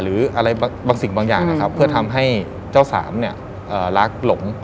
หรือบางอย่างเพื่อทำให้เจ้าสามรักหลง